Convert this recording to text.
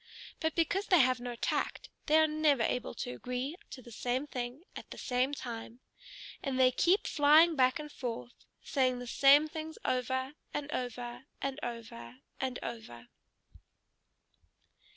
But because they have no tact, they are never able to agree to the same thing at the same time. And they keep flying back and forth, saying the same things over, and over, and over, and over....